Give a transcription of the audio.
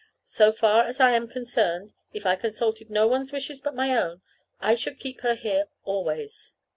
So far as I am concerned, if I consulted no one's wishes but my own, I should keep her here always."